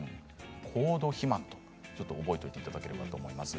高度肥満、覚えておいていただければと思います。